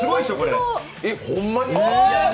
ほんまに？